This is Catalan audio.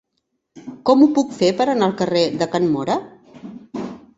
Com ho puc fer per anar al carrer de Can Móra?